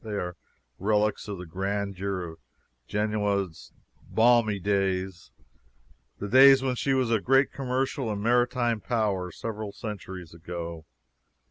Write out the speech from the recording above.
They are relics of the grandeur of Genoa's palmy days the days when she was a great commercial and maritime power several centuries ago.